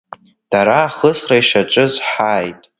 Дара ахысра ишаҿыз ҳааит.